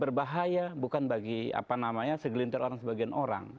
berbahaya bukan bagi apa namanya segelintir orang sebagian orang